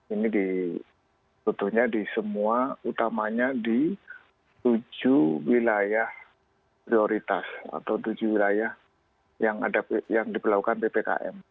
ini ditutupnya di semua utamanya di tujuh wilayah prioritas atau tujuh wilayah yang diperlakukan ppkm